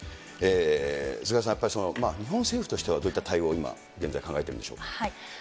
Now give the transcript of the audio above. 菅原さん、やっぱり日本政府としては、どういった対応を今、現在、考えているんでしょうか。